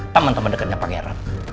teman teman deketnya pangeran